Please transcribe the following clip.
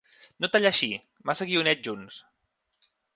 No tallar així, massa guionets junts.